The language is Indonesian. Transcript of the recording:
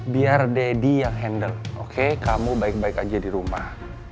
biar deddy yang handle oke kamu baik baik aja di rumah